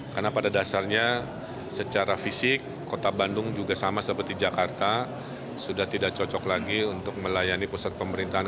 karena pada dasarnya secara fisik kota bandung juga sama seperti jakarta sudah tidak cocok lagi untuk melayani pusat pemerintahan